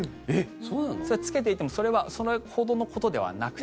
つけていてもそれほどのことではなくて。